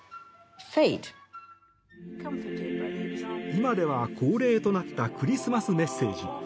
今では恒例となったクリスマスメッセージ。